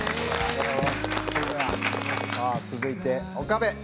さあ続いて岡部。